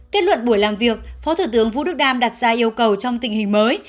kết luận buổi làm việc phó thủ tướng vũ đức đam đặt ra yêu cầu trong tình hình mới